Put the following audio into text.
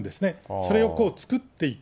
それを作っていく。